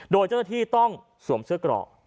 โดยเจ้าที่ต้องสวมเสื้อกเกราะ